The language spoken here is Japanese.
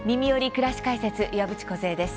くらし解説」岩渕梢です。